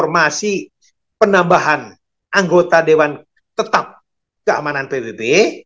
informasi penambahan anggota dewan tetap keamanan pbb